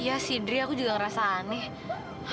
iya sih diri aku juga ngerasa aneh